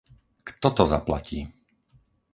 Kto to zaplatí?